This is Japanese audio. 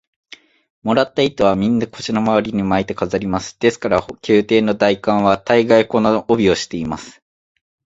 もらった糸は、みんな腰のまわりに巻いて飾ります。ですから、宮廷の大官は大がい、この帯をしています。